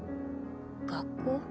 学校？